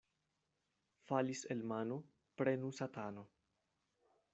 Falis el mano, prenu satano.